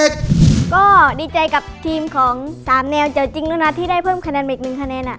ก็ดีใจกับทีมของ๓แนวเจอจริงด้วยนะที่ได้เพิ่มคะแนนไปอีกหนึ่งคะแนน